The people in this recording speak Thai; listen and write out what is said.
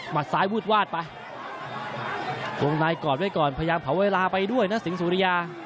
ซ้ายวืดวาดไปวงในกอดไว้ก่อนพยายามเผาเวลาไปด้วยนะสิงหุริยา